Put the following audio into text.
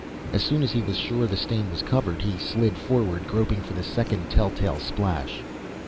As soon as he was sure the stain was covered he slid forward, groping for the second telltale splash.